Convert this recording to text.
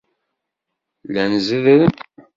Llan zeddren.